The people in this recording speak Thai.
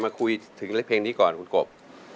มาคุยถึงเพลงนี้ก่อนคุณกบ